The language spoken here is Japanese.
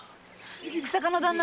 日下の旦那。